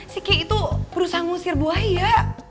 si ki itu berusaha ngusir buaya